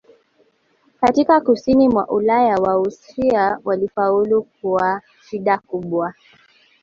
Katika Kusini mwa Ulaya Waustria walifaulu kwa shida kubwa